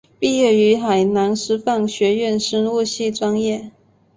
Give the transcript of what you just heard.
毕业于海南师范学院生物系专业。